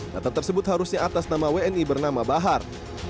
data tersebut harusnya atas nama wni bernama bahar